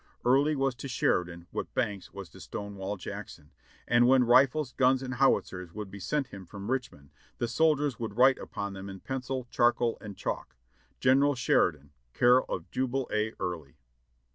Early was to Sheridan what Banks w as to Stonewall Jackson, and when rifles, guns and howitzers would be sent him from Richmond the soldiers would write upon them in pencil, charcoal and chalk, "General Sheridan, care of Jubal A. Early."